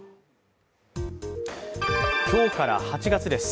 今日から８月です。